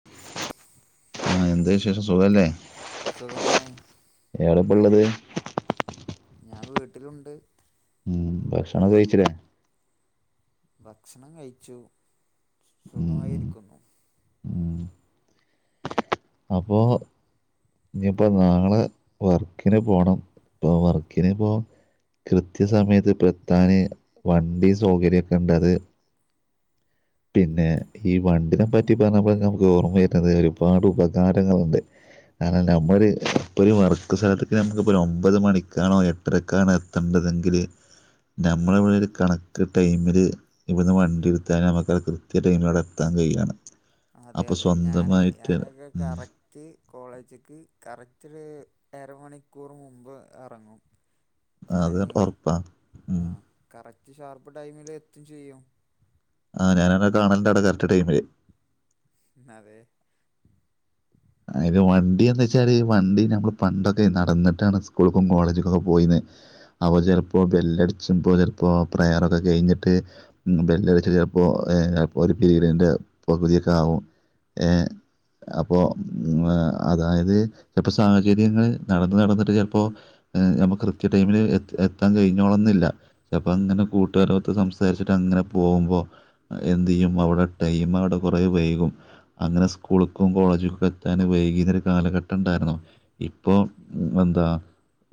[inaudible] ആ എന്താവിശേഷം സുഖല്ലേ? സുഖമാണ് എവിടെ ഇപ്പ ഉള്ളത് ഞാൻ വീട്ടിലുണ്ട് ഉം ഭക്ഷണം കഴിച്ചില്ലേ ഭക്ഷണം കഴിച്ചു ഉം സുഖമായിരിക്കുന്നു ഉം അപ്പോൾ ഇനിയിപ്പോൾ നാളെ വർക്കിന് പോകണം ഇപ്പോൾ വർക്കിന് പോകൻ കൃത്യ സമയത്ത് ഇപ്പ എത്താന് വണ്ടി സൗകര്യൊക്കെ ഉണ്ട്ത് പിന്നെ ഈ വണ്ടിനെ പറ്റി പറഞ്ഞപ്പോഴ നമുക്ക് ഓർമ്മ വരുന്നത് ഒരുപാട് ഉപകാരങ്ങളുണ്ട് അല്ല നമ്മള ഒരു ഇപ്പൊ ഒരു വർക്ക് സ്ഥലത്തൊക്കെ നമുക്ക്ി ഒമ്പത് മണിക്കാണോ എ ത്രക്കാണ് എത്തേണ്ടതെങ്കിൽ നമ്മള ഇവിടെ ഒരു കണക്ക് ടൈമില് ഇവിടുന്ന് വണ്ടി എടുത്താലും നക്ക് കൃത്യട്ട ഇങ്ങളോടെ എത്താൻ കഴിയയാണ് അതെ അതെ ഞാൻ ഉം ഞാനക്കക്കെറ റ്റ് കോളേജക്ക് കറക്റ്റ് അര മണിക്കൂർ മുമ്പ് ഇറങ്ങും ഉ ഞൻ ആഹ് കറക്റ്റ് ഷാർപ്പ് ടൈമിൽ എത്തും ചെയ്യും ആഹ് ഞാന എന്നെ കാണണ്ട് അവിടെ കറക് ടൈം വരെ അതെ അതത് വണ്ടി എന്ന് വെച്ചാല് വണ്ടി നമ്മള് പണ്ടൊക്കെ നടന്നിട്ടാണ് സ്കൂളക്കും കോളേജക്കുംൊക്കെ പോയിന്ന് അവ ചിലപ്പോ ബെല്ലടിച്ചുമ്പോ ചിലപ്പോ പ്രയറൊക്കെ കഴിഞ്ഞിട്ട് ബെല്ലടിച്ചച്ച് ചിലപ്പോപ്പോ ഒരു പിരീഡിന്റെ പകുതിയൊക്കെ ആകും ഏയ് അപ്പോൾ അതായത് ചിലപ്പോ സാഹചര്യങ്ങള് നടന്ന് നടന്നിട്ട് ചിലപ്പോ നഞമ്മുക്ക് കൃത്യ ടൈമിൽ എ എത്താൻ കഴിഞ്ഞോളെന്നില്ല അപ്പോ അങ്ങനെ കൂട്ടുകാരൊത്ത് സംസാരിച്ചിട്ട് അങ്ങനെ പോകുമ്പോ എന്തു ചെയ്യും അവിടെ ടൈം അവിടെ കുറെ വൈകും അങ്ങനെ സ്കൂളക്കും കോളേജക്കും എത്താൻ വൈകീുന്നൊ ഒരു കാലഘട്ടം ഉണ്ടായിരുന്നു ഇപ്പൊ എന്താ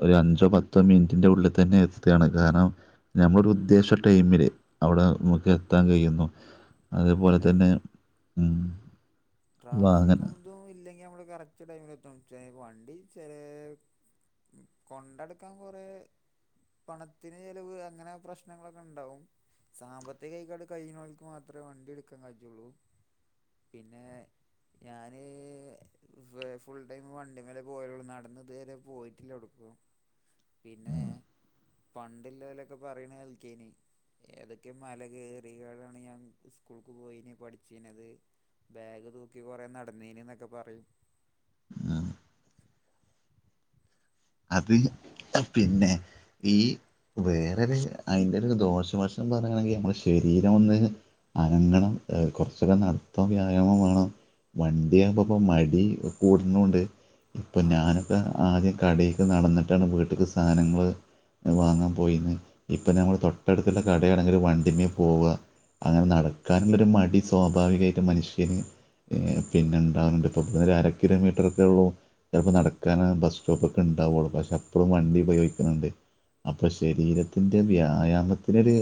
ഒരു അഞ്ചോ പത്തോ മിനിറ്റിന്റെ ഉള്ളിൽ തന്നെ എത്തുകയാണ് കാരണം നഞമ്മളൊരു ഉദ്ദേശ ടൈമില് അവിടെ നമുക്ക് എത്താൻ കഴിയുന്നു ഉം, അതുപോലെ അതെ തന്നെ അതെ മ്മ് ട്രാഫിക്കും ഇതും ഇല്ലെങ്കി നമ്മള് കറക്റ്റ് ടൈമിൽ എത്ത വണ്ടി ചെറ കൊണ്ടടുക്കാൻ കുറേ പണത്തിന് ചെിലവ് അങ്ങനെ പ്രശ്നങ്ങളൊക്കെ ഉണ്ടാവും സാമ്പത്തിക കൈകാട് കഴിഞ്ഞക്ക് മാത്രമേ വണ്ടി എടുക്കാൻ കഴറ്റുള്ളൂ പിന്നെ ഞാന് ഫ് ഫുൾ ടൈം വണ്ടിമ്മെലേ പോയൊള്ളൂ നടന്ന് ഇതുവരെ പോയിട്ടില്ല എവ്ട്ക്കും പിന്നെ പണ്ട് ഇല്ലോലൊക്കെ പറീണ് കേൾക്കേയ്നി ഏതെക്കെ മല കേറിങ്ങാണ്ടാണ് ഞാൻ ഇസ്കൂൾക്ക് പോയിന്യെ പഠിച്ചിനെത് ബാഗ് തൂക്കി കൊറെ നടന്നീനി ന്നൊക്കെ പറയും [unintelligible] അപ്പ ഈ അഹ് പിന്നെ ഈ വേറൊര് അയ്ന്റെ ഒര് ദോഷവശംന്ന് പറയാണെങ്കിൽ ഞമ്മളെ ശരീരം ഒന്ന് അനങ്ങണം എഹ് കൊർച്ചൊക്കെ നടത്തം വ്യായാമം വേണം വണ്ടിയാകുമ്പൊ പ്പൊ മടി കൂടുന്നുണ്ട് ഇപ്പൊ ആ ഞാനൊക്കെ ആദ്യം കടീ ക്ക്‌ നടന്നിട്ടാണ് വീട്ട്ക്ക് സാനങ്ങള് അഹ് വാങ്ങാൻ പോയിന്ന് ഇപ്പം ഞമ്മള് തൊട്ടട്ത്ത്ള്ളെ കടേണെങ്കിലും വണ്ടിമ്മേ പോവാ അങ്ങനെ നടക്കാന്ള്ളൊരു മടി സ്വാഭാവികമായിട്ടും മനുഷ്യന് എ പിന്നെ ഇണ്ടാക്ന്ന്ണ്ട് ഇപ്പൊ ഇബട്ന്ന് ഒരു അര കിലോമീറ്ററൊക്കെ ഒള്ളൂ ചെലപ്പൊ നടക്കാന് ബസ് സ്റ്റോപ്പ് ക്ക്‌ ഇണ്ടാവുള്ളൂ പക്ഷെ അപ്പഴും വണ്ടി ഉപയോഗിക്കുന്ന്ണ്ട് അപ്പൊ ശരീരത്തിന്റെ വ്യായാമത്തിനൊര്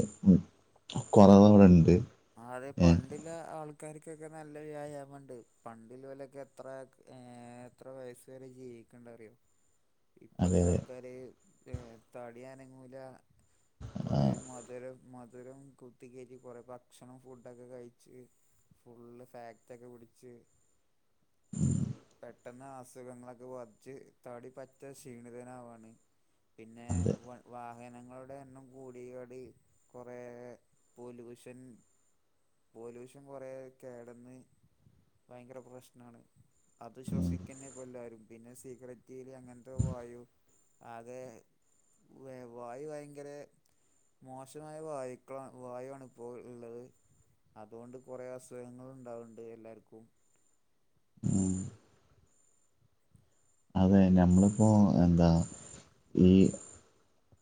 കൊറവ് അവ്ടെണ്ട് ആഹ് അതെ പണ്ട്ല്ലെ ആൾ ക്കാര്ക്കൊക്കെ നല്ല വ്യായാമണ്ട് പണ്ട്ല്ലോലൊക്കെ എത്രാക് ഏ എത്ര വയസ് വരെ ജീവി ക്ക്‌ണ്ട് അറിയോ [inaudible] ഇപ്പത്തെ അതെ ആൾക്കാര് എഹ് തടി അനങ്ങൂല്ല ആ കൊറേ മദ് ധ് രം മധുരം കുത്തിക്കേറ്റി കൊറെ ഭ ക്ഷണം ഫുഡൊക്കെ കഴിച്ച് ഫുള്ള് ഫാറ്റ് ഒക്കെ പിടിച്ച്. പെട്ടെന്ന് അസ് സുഖങ്ങളൊക്കെ ബാധിച്ച് തടി പറ്റെ ക്ഷീണിതനാവാണ് പിന്നെ അതെ വ വാഹനങ്ങളുടെ എണ്ണം കൂടിയോടി കൊറേ പൊല്യൂഷൻ പോല്യൂഷൻ കൊറേ അഹ് കെടന്ന് ഭയങ്കര പ്രശ്നാണ്. അത് ഉം. ശ്വസിക്കെന്നെ ഇപ്പൊ എല്ലാരും പിന്നെ സിഗരറ്റ്ല് അങ്ങൻത്തെ വായു ആകെ വ വായു ഭയങ്കര മോശമായ വായുക്കളാണ് വായു ആണ് ഇപ്പോൾ ഇള്ളത് അത്കൊണ്ട് കൊറേ അസുഖങ്ങൾ ഉണ്ടാവ്ണ്ട് എല്ലാർക്കും. ഉം അതെ ഞമ്മളിപ്പോ എന്താ ഈ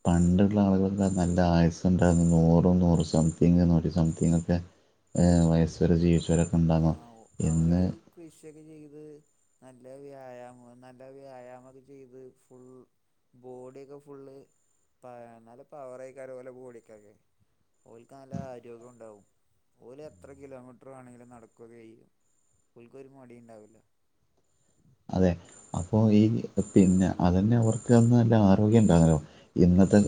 പണ്ട്ള്ള ആള്കൾക്ക് ന്നർഞ്ഞാ നല്ല ആയുസ്സുണ്ടായിരുന്നു നൂറും നൂറ് സംതിങ് നൂറ്റി സംതിങ്ഒക്കെ എഹ് വയസ്സ് വരെ ജീവിച്ചോരൊക്കെ ആഹ് ഒ അവരെയ് കൃഷിയൊക്കെ ചെയ്ത് നല്ല വ്യായാമം നല്ല വ്യായാമൊക്കെ ചെയ്ത് ഫുൾ ബോഡിയൊക്കെ ഫുള്ള് താ നല്ല പവർ ആയിരിക്കും അവരുടെ ബോഡിക്കൊക്കെ ഓൽക്ക് നല്ല ആരോഗ്യോം ഇണ്ടാവും ഓല് എത്ര കിലോമീറ്റർ വേണെങ്കിലും നട ക്കൊക്കെ ചെയ്യും ഓൽക്ക് ഒരു മടിം ഇണ്ടാവില്ല. അതെ അപ്പോ ഈ പിന്നെ അതന്നെ അവർക്ക് അന്ന് നല്ല ആരോഗ്യം ഇണ്ടാന്നാലോ ഇന്നത്തെ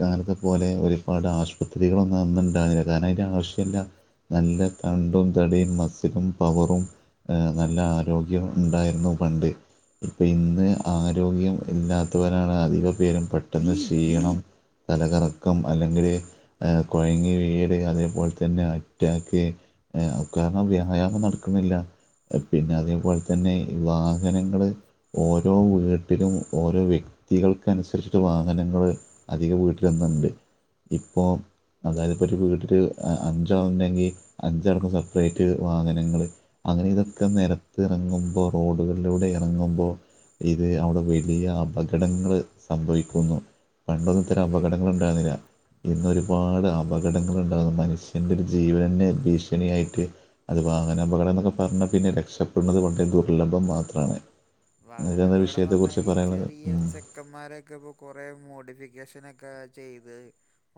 കാലത്തെ പോലെ ഒരുപാട് ആശുപത്രികളൊന്നും അന്നുണ്ടാവില്ല കാരണം അയ്ന്റെ ആവശ്യല്ല. നല്ല തണ്ടും തടിം മസിലും പവറും എഹ് നല്ല ആരോഗ്യം ഇണ്ടായിര്ന്നു. പണ്ട് ഇപ്പ ഇന്ന് ആരോഗ്യം ഇല്ലാ ത്തവരാണ് അധിക പേരും പെട്ടെന്ന് ക്ഷീണം. തലകറക്കം അല്ലെങ്കില് കൊഴങ്ങി വീയല്. അതേപോലെ തന്നെ അറ്റാക്ക്- കാര്ണം വ്യായാമം നടക്ക്ണ്ല്ല. പിന്നെ അതേപോലെ തന്നെ വ- ഇങ്ങെനെ ഇങ്ങള് ഓരോ വീട്ടിലും ഓരോ വ്യക്തികൾക്കനുസരിച്ചിട്ട് വാഹനങ്ങൾ- അധികം വീട്ടിലൊന്ന്ണ്ട്. ഇപ്പം അതായത് ഇപ്പോ ഒരു വീട്ടില്- അഞ്ചാള് ഇണ്ടെങ്കി അഞ്ചാൾക്കും സപ്പ്റേറ്റ് വാഹനങ്ങള്. അങ്ങനെ ഇതൊക്കെ നേരം- ഇറങ്ങുമ്പോ റോഡുകളിലൂടെ എറങ്ങുമ്പോ- ഇത് അവിടെ വലിയ അപകടങ്ങൾ സംഭവിക്കുന്നു. പണ്ടൊന്നും ഇത്തരം അതെ അപകടങ്ങള് ഉണ്ടായിരുന്നില്ല. ഇന്നൊരുപാട് അപക- അപകടങ്ങള് ഉണ്ടാകും. മനുഷ്യന്റെ ഒരു ജീവന്ന് ഭീഷണിയായിട്ട് അത്- വാഹന അപകടം എന്നൊക്കെ പറഞ്ഞാ പിന്നെ രക്ഷപ്പെടുന്നത് വളരെ ദുർലഭം മാത്രാണ്. വാഹനാപകടം പറഞ്ഞാ ഈ ചെറിയ- ചെക്കന്മാരൊക്കെ ഇപ്പം കൊറേ മോഡിഫിക്കേഷനൊക്കെ ചെയ്ത്.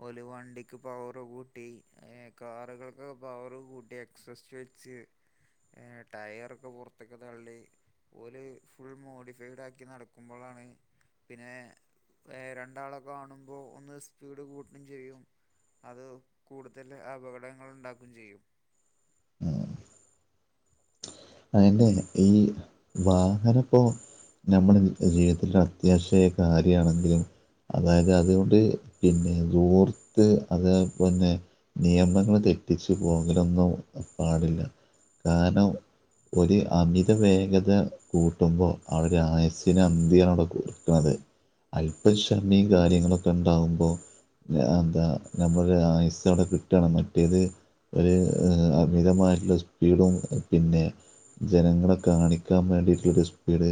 ഓല് വണ്ടിക്ക് പവറ് കൂട്ടി. ഏ ഹ് കാറുകൾക്ക് പവറ് കൂട്ടി എക്സസ്- കുച്ച് ടയറൊക്കെ പൊറ്ത്ത്ക്ക് തള്ളി ഓല്- ഫുൾ മോഡിഫൈഡ് ആക്കി നടക്കുമ്പളാണ്- പിന്നെ രണ്ടാളെ കാണുമ്പോൾ ഒന്ന് സ്പീഡ് കൂട്ടും ചെയ്യും. അത് കൂടുതൽ അപകടങ്ങൾ ഉണ്ടാക്കും ചെയ്യും. അയ്ന്റെ ഈ വാഹനപ്പോ- നമ്മളെ ജീവിതത്തില ഒരു അത്യാവശ്യായ കാര്യാണ് അത് അതായത് അതുകൊണ്ട് പിന്നെ ദൂർത്ത് അതേ പോലെന്നെ- നിയമങ്ങള് തെറ്റിച്ചു പോകലൊന്നും പാടില്ല കാര്ണം- ഒരു അമിത വേഗത കൂട്ടുമ്പോ അവരെ ആയുസിന് അന്തിയാണ് അവിടെ കുറക്ക്ണത്. അല്പ ശകമെം കാര്യങ്ങളൊക്കെ ഇണ്ടാകുമ്പൊ എന്താ നമ്മരു ആയുസ്സ് അവിടെ കിട്ടാണ് മറ്റേത്. ഒരു അമിതമായിട്ടുള്ള സ്പീഡും പിന്നെ ജനങ്ങളെ കാണിക്കാൻ വേണ്ടീട്ടു ഒരു സ്പീഡ്.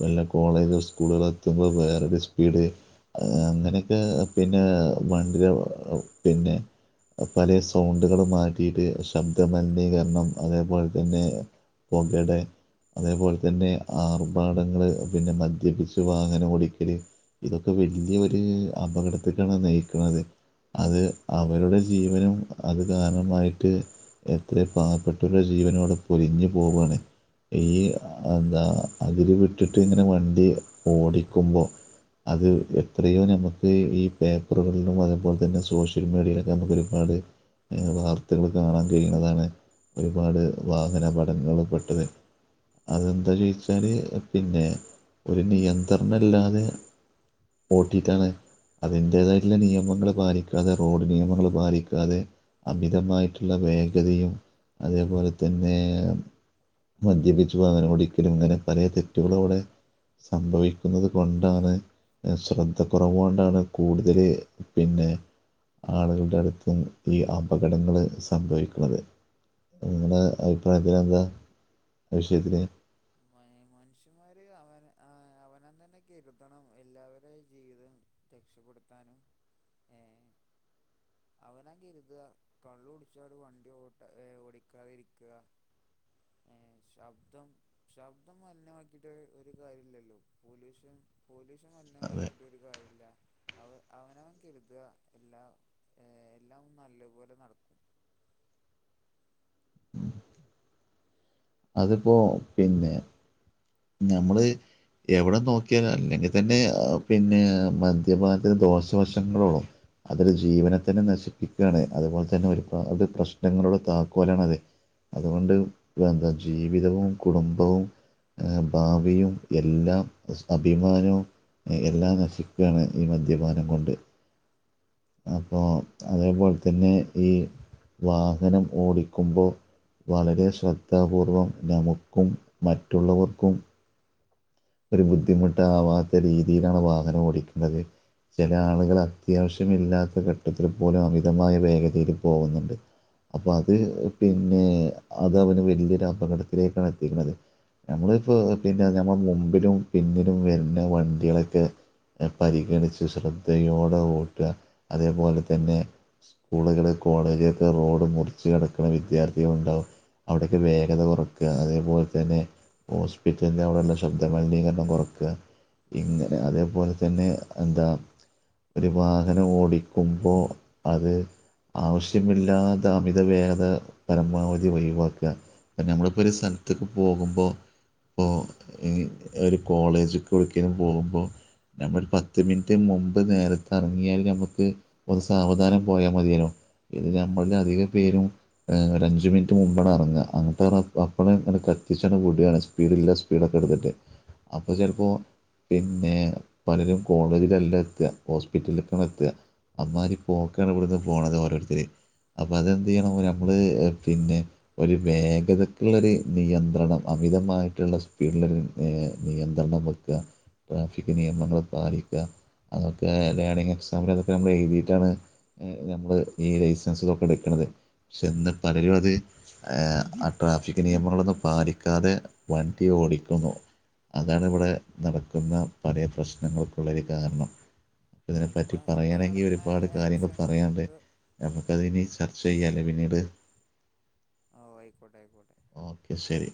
വല്ല കോളേജും സ്കൂളുകള് എത്തുമ്പൊ വേറൊരു സ്പീഡ്. അങ്ങനെ 'ക്കെ പിന്നെ വണ്ടിടെ പിന്നെ. പലേ സൗണ്ടുകളും മാറ്റിയിട്ട് ശബ്ദ മലിനീകരണം അതേപോലെ തന്നെ. പൊകെടെ അതേപോലെ തന്നെ ആർഭാടങ്ങള് പിന്നെ മദ്യപിച്ചു വാഹനം ഓടിക്കല്. ഇതൊക്കെ വല്യ ഒര് അപകടത്തിലേക്കാണ് നയിക്കുന്നത് അത്. അതെ അവരുടെ ജീവനും. അത് കാരണമായിട്ട് എത്ര പാവപ്പെട്ടവരുടെ ജീവനും അവ്ടെ പൊലിഞ്ഞ് പോവാണ്. ഈ എന്താ അതില് വിട്ടിട്ട് ഇങ്ങനെ വണ്ടി ഓടിക്കുമ്പം. അത് എത്രയോ ഞമക്ക് ഈ പേപ്പറുകളിലും അതേപോലെ തന്നെ സോഷ്യൽ മീഡിയയിലൊക്കെ നമുക്ക് ഒരുപാട് വാർത്തകള് കാണാൻ കഴിയുന്നതാണ് ഒരുപാട് വാഹനപ ടങ്ങൾ പെട്ടതെ. അതെന്താ ചോദിച്ചാല് പിന്നെ ഒരു നിയന്ത്രണ ഇല്ലാതെ. ഓട്ടിക്കാന് ഉം, അതിൻറ്റേതായിട്ട്ള്ള നിയമങ്ങൾ പാലിക്കാതെ റോഡ് നിയമങ്ങൾ പാലിക്കാതെ അമിതമായിട്ട് ഇള്ള വേഗതയും അതേപോലെ തന്നെ. മദ്യപിച്ചു വാഹനംഓടിക്കലും ഇങ്ങനെ പലേ തെറ്റുകളു ഔടെ സംഭവിക്കുന്നത് കൊണ്ടാണ്. ശ്രദ്ധ കൊറവോണ്ടാണ് കൂടുതല് പിന്നെ. ആളുകൾടെ അടുത്തും ഈ അപകടങ്ങള് സംഭവിക്കണത് നിങ്ങടെ അതെ അഭിപ്രായത്തിലെന്താ അതെ അതെ മൈ മനുഷ്യമാര് അവന ആഹ് അവനോൻ തന്നെ കെരുതണം എല്ലാവരേം ജീവിതം രക്ഷപ്പെടുത്താനും ഏഹ് അവനാൻ കെരുത്ക കള്ളുകുടിച്ചാല് വണ്ടി ഓട്ട് ഏഹ് ഓടിക്കാതിരിക്ക്ക ഏഹ് ശബ്ദം ശബ്ദം മലിനമാക്കീട്ടൊര് ഒരു കാര്യോല്ലല്ലോ പൊലൂഷൻ പൊലൂഷൻ അതെ മലിനമാക്കിട്ടൊരു കാര്യല്ലാ അവ അവനവൻ കെരുത്ക എല്ലാം ഏഹ് എല്ലാം നല്ലപോലെ നടക്കും അതിപ്പോ പിന്നെ ഞമ്മ്ള് എവിടെ നോക്കിയാലും അല്ലെങ്കി തന്നെ ഏഹ് പിന്നെ മദ്യപാനത്തിന് ദോഷവശങ്ങളോളും അതൊര് ജീവനെ തന്നെ നശിപ്പിക്കുകയാണ് അതുപോലെ തന്നെ ഒരുപാട് പ്രശ്നങ്ങളുടെ താക്കോലാണത് അതുകൊണ്ട് എന്താ ജീവിതവും കുടുംബവും ഏഹ് ഭാവിയും എല്ലാം ഉസ് അഭിമാനവും ഏഹ് എല്ലാം നശിക്ക്യാണ് ഈ മദ്യപാനം കൊണ്ട് അപ്പോ അതേപോൽത്തന്നെ ഈ വാഹനം ഓടിക്കുമ്പോ വളരെ ശ്രദ്ധ പൂർവ്വം നമുക്കും മറ്റുള്ളവർക്കും ഒരു ബുദ്ധിമുട്ടാവാത്ത രീതിയിലാണ് വാഹനം ഓടിക്കണ്ടത് ചെല ആളുകള് അത്യാവശ്യമില്ലാത്ത ഘട്ടത്തിൽ പോലും അമിതമായ വേഗതയില് പോകുന്നുണ്ട് അപ്പ അത് പിന്നെ അത് അവന് വലിയൊരു അപകടത്തിലേക്കാണ് എത്തിക്കുന്നത് നമ്മളിപ്പോ പിന്നെ ഞമ്മളെ മുമ്പിലും പിമ്പിലും വരുന്ന വണ്ടികളക്കെ ഏഹ് പരിഗണിച്ച് ശ്രദ്ധയോടെ ഓട്ടുക അതേപോലെ തന്നെ സ്കൂളുകള് കോളേജിലൊക്കെ റോഡ് മുറിച്ച് കടക്കണ വിദ്യാർത്ഥികളുണ്ടാവും അവിടെയൊക്കെ വേഗത കൊറക്ക്ക അതേപോലെ തന്നെ ഹോസ്പിറ്റലിൻ്റെ അവിടെയ്ള്ള ശബ്ദം ന്താ മലിനീകരണം കൊറക്ക്ക ഇങ്ങനെ അതേപോലെ തന്നെ എന്താ ഒരു വാഹനം ഓടിക്കുമ്പോ അത് ആവശ്യമില്ലാത അമിതവേഗത പരമാവധി ഒയ്വാക്കാ ഇപ്പൊ ഞമ്മളിപ്പോ ഒരു സൽത്ത്ക്ക് പോകുമ്പോ ഇപ്പോ ഇനീ ഒരു കോളേജ്ക്ക് എവിട്ക്കേലും പോകുമ്പോ ഞമ്മള് പത്ത് മിനിറ്റ് മുമ്പ് നേരത്തെ എറങ്ങിയാൽ ഞമ്മ്ക്ക് ഒന്ന് സാവധാനം പോയാ മതിയല്ലോ ഇത് അതെ അതെ ഞമ്മളിലധികം പേരും ഏഹ് ഒരഞ്ച് മിനിറ്റ് മുമ്പാണെറങ്ങാ അന്നിട്ട് റബ്ബ് അപ്പളേ അങ്ങട്ട് കത്തിച്ചങ്ങട്ട് വിടാണ് സ്പീഡ്ള്ള സ്പീട് എട്ത്തിട്ട് അപ്പോ ചെലപ്പോ പിന്നെ പലരും കോളേജിലല്ല എത്ത്വാ ഹോസ്പിറ്റൽക്കാണ് എത്ത്വാ അമ്മാരി പോക്കാണ് ഇവിടുന്ന് പോണത് ഓരോരുത്തര് അപ്പതെന്ത്യ്യണം ഞമ്മള് പിന്നെ ഒരു വേഗതക്ക്ള്ളൊരു നിയന്ത്രണം അമിതമായിട്ട്ള്ള സ് സ്പീഡ്ലൊരു ഏഹ് നിയന്ത്രണം വെക്ക്വാ ട്രാഫിക് നിയമങ്ങള് പാലിക്ക്വാ അതൊക്കെ വേണങ്കി [unintelligible] ഇപ്പൊ ഞമ്മള് എഴ്തീട്ടാണ് ഏഹ് ഞമ്മള് ഈ ലൈസൻസ് ഇതൊക്കെ എട്ക്ക്ണത് പക്ഷെ ഇന്ന് പലരും അത് ആഹ് ആ ട്രാഫിക് നിയമങ്ങളൊന്നും പാലിക്കാതെ വൺ ണ്ടി ഓടിക്കുന്നു അതാണിവിടെ നടക്ക്ന്ന പലേ പ്രശ്നങ്ങൾക്കുള്ളൊരു കാരണം ഇതിനെ ആഹ് ഇപ്പ പറ്റി ഇപ്പ പറയാണെങ്കി നടക്കണ ഒരുപാട് കാര്യങ്ങൾ ആക്സിഡന്റ് പറയാൻണ്ട് ഇപ്പൊ നമുക്കതിനി ചർച്ച ചെയ്യാലെ പിന്നീട് ആഹ് ഓഹ് ആയിക്കോട്ടെ ആയിക്കോട്ടെ ഓക്കെ ശരി